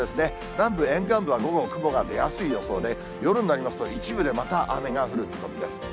南部、沿岸部は午後、雲が出やすい予想で、夜になりますと、一部でまた雨が降る見込みです。